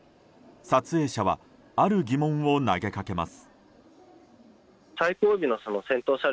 撮影者はある疑問を投げかけます。